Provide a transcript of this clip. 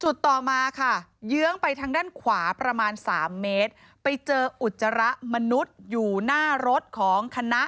ต่อมาค่ะเยื้องไปทางด้านขวาประมาณสามเมตรไปเจออุจจาระมนุษย์อยู่หน้ารถของคณะ